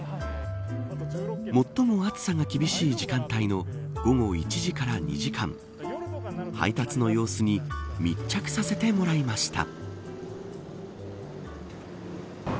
最も暑さが厳しい時間帯の午後１時から２時間配達の様子に密着させてもらいました。